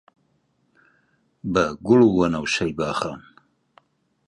بە گوڵ و وەنەوشەی باغان